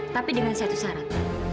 tapi dengan satu syarat